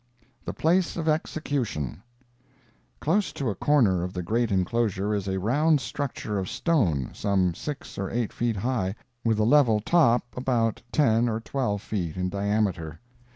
THE PLACE OF EXECUTION Close to a corner of the great inclosure is a round structure of stone, some six or eight feet high, with a level top about ten or twelve feet in diameter.